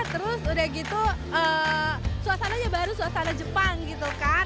terus udah gitu suasananya baru suasana jepang gitu kan